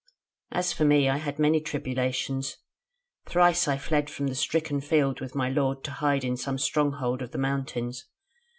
"As for me, I had many tribulations. Thrice I fled from the stricken field with my lord to hide in some stronghold of the mountains.